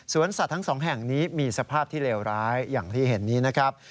สัตว์ทั้งสองแห่งนี้มีสภาพที่เลวร้ายอย่างที่เห็นนี้นะครับ